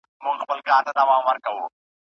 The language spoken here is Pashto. چاوېل،